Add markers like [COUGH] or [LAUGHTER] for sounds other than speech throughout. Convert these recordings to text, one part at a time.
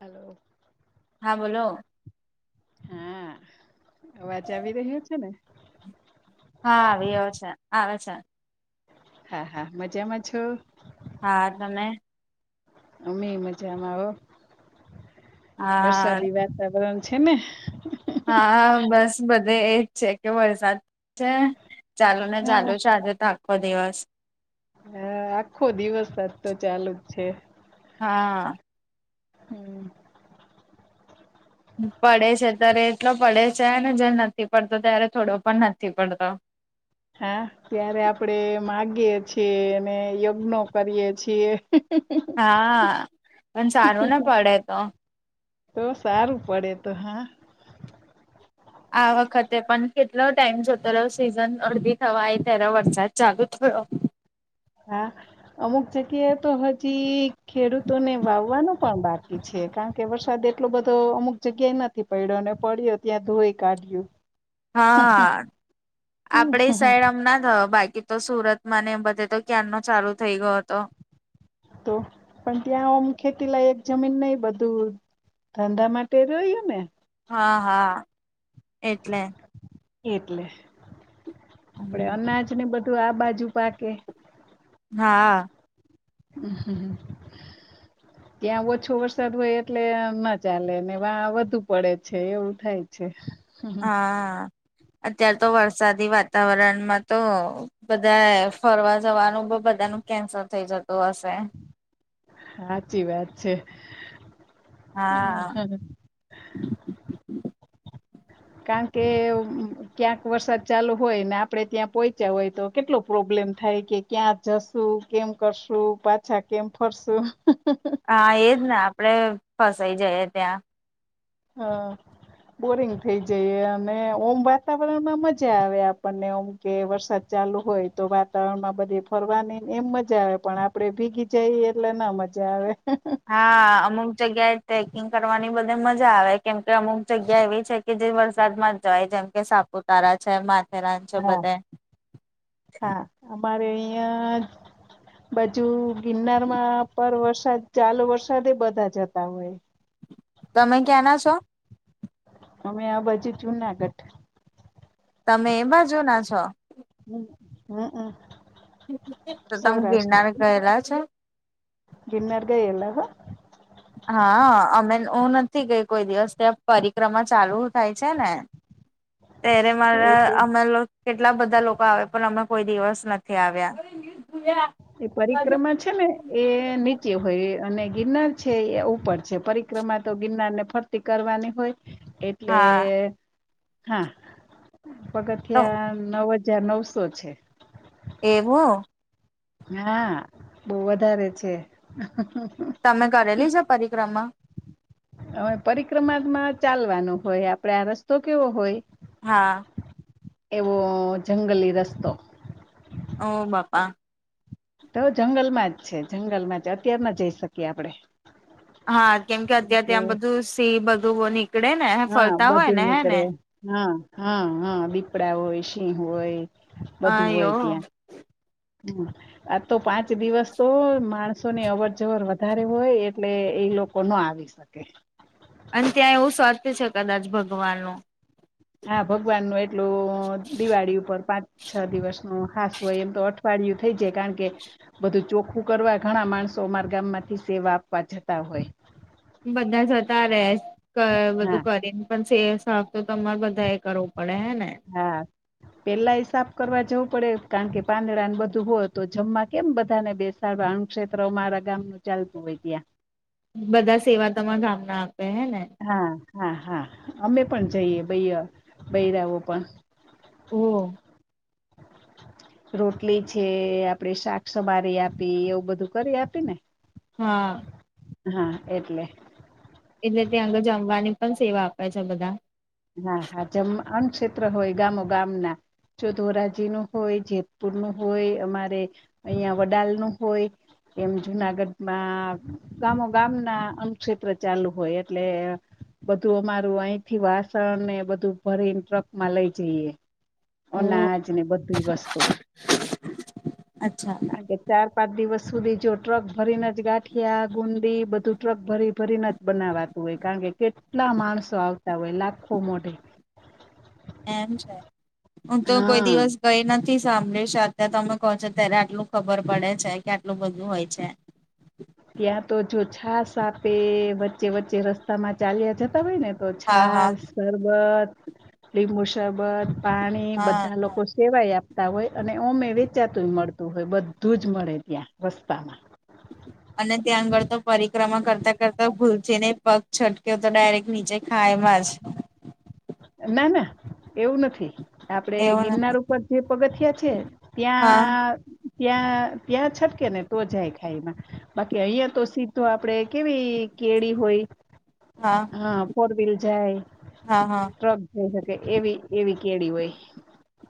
Hello. હા બોલો હા અવાજ આવી રહ્યો છે ને હા આવયો છે આવે છે. હા હા મજામાં છો હા તમે અમે મજામાં હો હા વરસાદી વાતાવરણ છેને હા બસ બધે એજ છે કે વરસાદ છે. ચાલો ને હા ચાલુ છે આજે તો આખો દિવસ હા આખો દિવસ આજ તો ચાલુ જ છે હા હમ પડે છે ત્યારે એટલો પડે છે ને જ નથી પડતો ત્યારે થોડો પણ નથી પડતો હા ત્યારે આપણે માગીએ છીએ અને યજ્ઞો કરીએ છીએ હા અને સારું ને પડે તો તો સારું પડે તો હા આ વખતે પણ કેટલો ટાઈમ જતો રહ્યો સીઝન અડધી થવા એ ત્યારે વરસાદ ચાલુ થયો હા અમુક જગ્યા તો હજી ખેડૂતોને વાવવાનું પણ બાકી છે કા કે વરસાદ એટલો બધો અમુક જગ્યાએ નથી પડ્યો અને પડ્યો ત્યાં ધોઈ કાઢ્યું હા આપડી સાઈડ આમ ના થયો બાકી તો સુરત માં ને એ બધે તો ક્યાંર નો ચાલુ થઈ ગયો હતો તો પણ ત્યાં હમ ખેતી લાય જમીન નહી બધું ધંધા માટે જોયુ ને હા હા એટલે એટલે આપડે હમ અનાજને બધું આ બાજુ પાકે હા હ હા [INAUDIBLE] [INAUDIBLE] ત્યાં ઓછો વરસાદ હોય એટલે ના ચાલે ને વા વધુ પડે છે એવું થાય છે હમ હા અત્યાર તો વરસાદી વાતાવરણમાં તો બધા ફરવા જવાનું બધાનું કેન્સલ થઈ જતું હશે સાચી વાત છે. હા કારણ કે ક્યાંક વરસાદ ચાલુ હોય ને આપણે ત્યાં પહોંચ્યા હોય તો કેટલો પ્રોબ્લેમ થાય કે ક્યાં જશુ કેમ કરશુ પાછા કેમ ફરસુ હા એજ ને આપડે ફસાઈ જઈએ ત્યાં હા બોરિંગ થઈ જઈએ અને ઓમ વાતાવરણમાં મજા આવે આપણને ઓમ કે વરસાદ ચાલુ હોય તો વાતાવરણ માં બધી ફરવા નહીને એમ મજા આવે પણ આપડે ભીગી જઈએ એટલે ના મજા આવે હા, અમુક જગ્યાએ ટ્રેકિંગ કરવાની બધે મજા આ, વે કેમ કે અમુક જગ્યા એવી છે. કે જે વરસાદમાં જાય, જેમ કે સાપુતારા છે, માથેરાન છે, હા. બધે હા, અમારે અહીં બાજુ ગિરનાર માં પર વરસાદ ચાલે, વરસાદ એ બધા જતા હોય. તમે ક્યાં ના છો? અમે આ બાજુ જુનાગઢ. તમે એ બાજુ ના છો? હમ, હમ, હ. તો તમે ગિરનાર ગયેલા છે. ગિનાર ગઈ એલા તો. હા, અમે હ નથી ગઈ કોઈ દિવસ ત્યાં. પરિક્રમા ચાલુ થાય છે ને? ત્યારે એ મારા તો અમે લોકો કેટલા બધા લોકો આવે, પણ અમે કોઈ દિવસ નથી આવ્યા. એ પરિક્રમા છે. છે ને, એ નીચે હોય અને ગિરનાર છે એ ઉપર છે. પરિક્રમા તો ગિરનારને ફર કરવાની હોય, એટલે હા હા. તો પગથિયા નવ હજાર નવસો છે. એવું. હા, બહુ વધારે છે. તમે કરેલી છે પરિક્રમા? હવે, પરિક્રમામાં ચાલવાનું હોય, આપડે આ રસ્તો કેવો હોય? હા. એવો જંગલી રસ્તો. ઓહ, બાપા. તો જંગલમાં જ છે, જંગલ માં જ અત્યારમાં જઈ શકીએ આપણેે. હા, કેમ કે અત્યારે ત્યાં બધું સિંહ, બધું નીકળે ને, હ હા ફરતા હોય બધું ને હે ને? નીકળે હા, હા, હા, દીપડા હોય, સિંહ હોય. હા, બધું કહો. હોય ત્યાં હમ. આ તો પાંચ દિવસ તો માણસોની અવર જવર વધારે હોય, એટલે એ લોકો ના આવી. ઓકે. અને ત્યાં એવું સ્વાત્ય છે, કદાચ ભગવાનનું હા, ભગવાન નું એટલું દિવાળી ઉપર પાંચ. છ દિવસ ન હાસું હોય, એમ તો અઠવાડિયું થઈ જાય, કારણ કે બધું ચોખ્ખું કરવા ઘણા માણસો અમાર ગામ માંથી સેવા આપવા જતા હોય. બધા જતા રેસ, હા બધું કરીને. પણ, સે સાફ તો તમારે બધા એ કરવું પડે, હે ને? હા. પેલા, હ સાફ કરવા જવું પડે, કારણ કે પાંદડાને બધું હોય તો જમવા કેમ બધાને બેસે? અણુ ક્ષેત્ર, મારા ગામ નું ચાલતું હોય ત્યાં બધા સેવા તમારા ગામના આપે હે ને? હા, હા, હા, અમે પણ જઈએ ભાઈ, બહેનો પણ. ઓ. રોટલી છે, આપડે શાક સમારી આપી, એવું બધું કરી આપી ને. હા. હા, એટલે. એટલે ત્યાં આગળ જમવાની પણ સેવા આપે છે, બધા હા, હા, જેમ અને અન્ન ક્ષેત્ર હોય, ગામો ગામ ના જો ધોરાજીનો હોય, જેતપુરનો હોય, અમારે અહીંયા વડાલનો હોય. એમ જુનાગઢમાં ગામો ગામના એમ છેત્ર ચાલુ હોય એટલે બધું અમારું આહીંથી વાસ સણ ને એ બધું ભરીન ટ્રકમાં લઈ જઈએ. ઓ અનાજ ને બધુંઈ વસ્તુ અચ્છા. કારણ કે ચાર પાંચ દિવસ સુધી જો ટ્રક ભરીને જ ગાંઠિયા ગુંદી બધું ટ્રક ભરી ભરીન જ બનાવાતું હોય કારણ કે કેટલા માણસો આવતા હોય લાખો મોઢે એમ છે, હું તો કોઈ હા દિવસ ગયી નથી સાંભળીશ અત તમે કહો છો ત્યારે આટલું ખબર પડે છે કે આટલું બધું હોય છે. ત્યાં તો જો છાાસ આપે વચ્ચે વચ્ચે રસ્તા માં ચાલ્યા જતા હોય ને તો હા હા છાસ, શરબત, લીંબુ શરબત, પાણી હા બધા લોકો હા સેવાય આપતા હોય અને ઓમે વેચાતુંય મળતું હોય બધું જ મળે ત્યાં રસ્તામાં અને ત્યાં આગળ તો પરિક્રમા કરતા કરતા ભૂલથી ને પગ છટકયો તો ડાયરેક્ટ નીચે ખાઇમા જં ના ના એવું નથી આપડે એવું ગિરનાર નથી ઉપર જે પગથિયા છે હા ત્યાં ત્યાં ત્યાં છટકે ને તો જાય ખાઈમાં બાકી અહીયાં તો સીધો આપડે કેવી કેડી હોય. હા ફોર વ્હીલ જાય હા હા ટ્રક જઈ શકે એવી એવી કેડી હોય.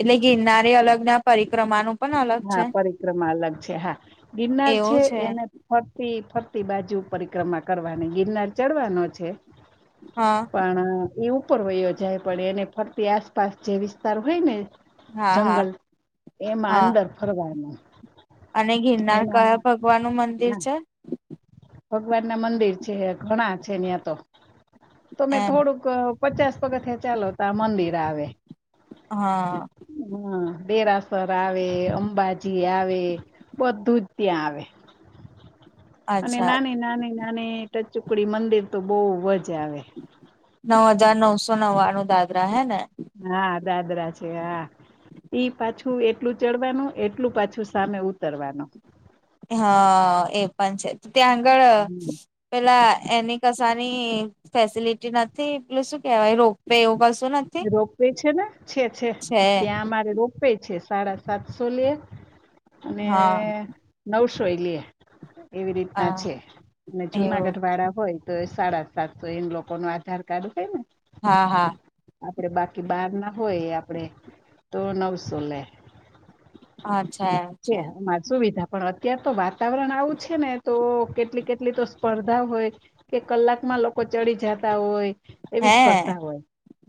એટલે ગિરનારે અલગ ના પરિક્રમાનું પણ અલગ છે હા પરિક્રમા અલગ છે હા, ગિરનાર છે એને ફરતી ફરતી બાજુ પરિક્રમા કરવાની ગિરનાર ચડવાનો છે હા. પણ એ ઉપર વયો જાય પણ એને ફરતી આસપાસ જે વિસ્તાર હોય ને હા, હા. જંગલ એમાં હા, અંદર ફરવાનું અને ગિરનાર કયા એમાં ભગવાનનું મંદિર હા છે? ભગવાન ના મંદિર છે ઘણા છે ન્યા તો, તો મેં એમ થોડુંક ક પચાસ પગથિયાં ચાલો ત્યાં મંદિર આવે-' હા હા દેરાસર આવે, અંબાજી આવે બધું જ ત્યાં આવે. અને અચ્છા નાની, નાની, નાની ટચ્ચુકડી મંદિર તો બઉ જ આવે નવ હજાર નવસો ન્વાણું દાદરા હે ને? હા, દાદરા છેે હા. ઈ પાછું એટલું ચડવાનું એટલું પાછું સામે ઉતરવાનું હા એ પણ છે તો ત્યાં આગળ અ પેલા એની કસાની ફેસિલિટી નથી પેલું શું કેહેવાય રોપવે એવું કસ રોપવે છે ને, છે છે ત્યાં અમારે રો પવે છે સાડા સાતસો લે અને હા નવસો એ લે એવી રીતના હા છે અને એવું જુનાગઢ વાળા હોય તો સાડા સાતસો એમ લોકોનું આધાર કાર્ડ હોય ને હા, હા. આપડે બાકી બારના હોય આપડે તો નવસો લે અચ્છા એમ છે, અમાર સુવિધા પણ અત્યાર તો વાતાવરણ આવું છે ને તો કેટલી કેટલી તો સ્પર્ધા હોય કે કલાકમાં લોકો ચડી જાતા હોય એવી હે સ્પર્ધા હોય.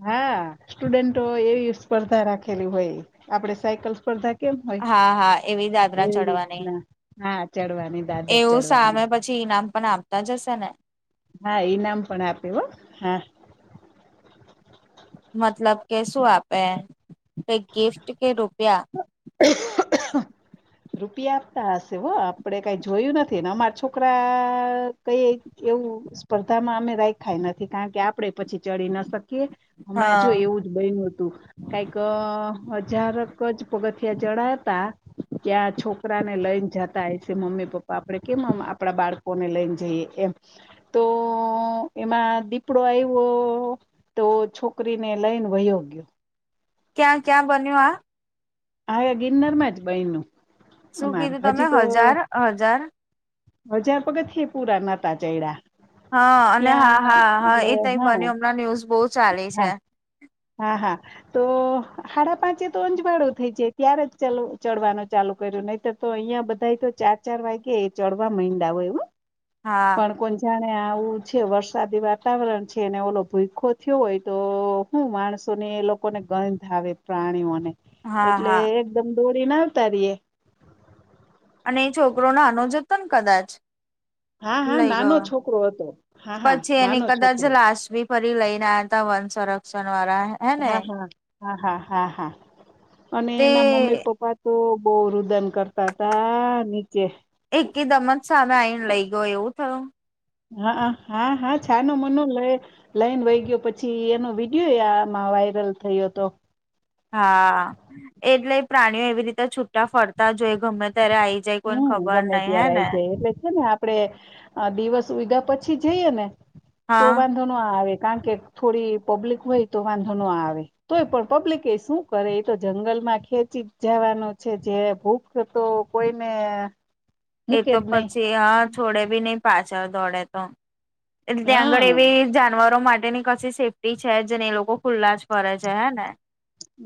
હા, સ્ટુડન્ટો એવી સ્પર્ધા રાખેલી હોય આપડે સાયકલ સ્પર્ધા કેમ હોય હા હા દાદરા એવી ચડવાની રીતના, હા ચડવાની દાદર એવું ચડવાની સામે પછી ઈનામ પણ આપતા જ હશે ને? હા, ઈનામ પણ આપે હો હા મતલબ કે શું આપે ક ગિફ્ટ કે રૂપિયા [UNINTELLIGIBLE] રૂપિયા આપતા હશે હો આપડે કઈ જોયું નથી ને અમારા છોકરા કઈ એવું સ્પર્ધામાં અમે રાખાય નથી કારણ કે આપડે પછી ચડી ના શકીએ હમણાં હા જો એવું બન્યું તું કંઈક હજારક જ પગથિયા ચડાયા તા હા [UNINTELLIGIBLE] ત્યાં છોકરા ને લઈને જતા હય છે મમ્મી પપ્પા આપણે કેમ આપણા બાળકોને લઈને જઈએ એમ તો એમાં દીપડો આવ્યો તો છોકરીને લઈને વયો ગયો. ક્યાં ક્યાં બન્યું આ? આય ગિરનાર માં જ બયનું શું અમારે કીધું તમે હજી તો હજાર હજાર? હજાર પગથીયા પૂરા નાતા ચયડા હા અને હા ત્યાં હા હા એટલે એ તય હા બન્યું હમણાં ન્યૂઝ બહુ ચાલી હા છે. હા હા તો હાડા પાંચે તો અંજવાળો થઈ જાય ત્યારે જ ચડવાનું ચાલુ કર્યું નહીંતર તો અહિયાં બધા તો ચાર ચાર વાગે ચડવા મંડયા હોય હા પણ કોણ જાણે આવું છે વરસાદી વાતાવરણ છે ને ઓલો ભૂખો થયો હોય તો હ માણસો ને એ લોકો ને ગંધ આવે પ્રાણીઓને હા એટલે હા એકદમ દોડીને આવતા રઈએ અને એ છોકરો નાનોજ હતો ને કદાચ હા હા લઈ નાનો ગયો છોકરો હતો હા હા પછી એની નાનો કદાચ છોકરો લાશવી ફરી લઈને આયા હતા વન સંરક્ષણ વાળા એ હા હા હા હા હા હા અને તે એના મમ્મી પપ્પા તો બહુ રુદન કરતા હતા નીચે એકદમ જ સામે આઈને લઈ ગયો એવું થયું. હા હા હા છાનો મનો લે લઈન વહી ગયો પછી એનો વિડિયો એમાં વાયરલ થયો હતો. હા એટલે પ્રાણીઓ એવી રીતે છૂટા ફરતા જોઈ ગમે ત્યારે આઈ જાય કોઈને હમ ખબર ગમે નઈ હે ત્યારે ને આઈ જાય એટલે છે ને આપ આપડે દિવસ ઉગ્યા પછી જઈએ ને તો હા વા વાંધો ન આવે કારણ કે થોડી પબ્લિક હોય તો વાંધો ન આવે. તોય પણ પબ્લિક એ શું કરે એ તો જંગલમાં ખેંચી જવાનો છે જે ભૂખ તો કોઈને એ મૂકે તો જ નહી પછી હા છોડે બી નહી પાછળ દોડે તો એટલે ત્યાં આગળ હા એવી જાનવરો માટેની ક સેફ્ટી છે જ નઈ એ લોકો ખુલ્લા જ ફરે છે હે ને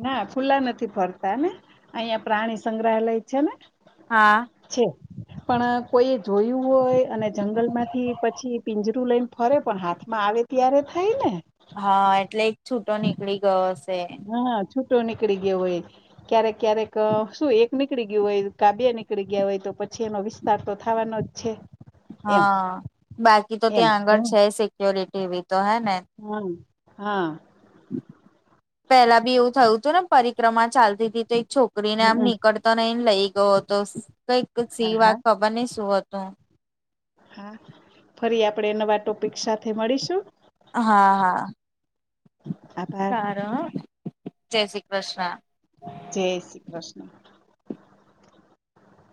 ના ખુલ્લા નથી ફરતા ને અહીં પ્રાણી સંગ્રહાલય છે ને હા છે. પણ કોઈ એ જોયું હોય અને જંગલ માંથી પછી પિંજરું લઈને ફરે પણ હાથમાં આવે ત્યારે થાય ને હા એટલેજ છૂટો નીકળી ગયો હશે હા છૂટો નીકળી ગયો હોય ક્યારેક ક્યારેક શું એક નીકળી ગયું હોય કા બે ની નીકળી ગયા હોય તો પછી એનો વિસ્તાર તો થવાનો જ છે. એમ હા બાકી તો એમ ત્યાં આગળ છે સિક્યોરિટીવી તો હે ને હમ હા પેલા બી એવું થયું હતું ને પરિક્રમા ચાલતી હતી તો એક છોક રીને આમ હમ નીકળતો નઈને લઈ ગયો હતો કઈક સી હા વાત હા ખબર નઈ શું હતું? હા ફરી આપણેે નવા ટોપિક સાથે મળીશું. હા હા સ આભાર હ જય શ્રી કૃષ્ણ. જય શ્રી કૃષ્ણ.